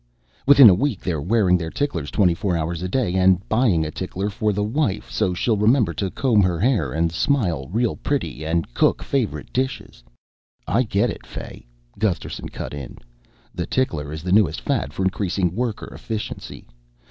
"Within a week they're wearing their tickler 24 hours a day and buying a tickler for the wife, so she'll remember to comb her hair and smile real pretty and cook favorite dishes." "I get it, Fay," Gusterson cut in. "The tickler is the newest fad for increasing worker efficiency.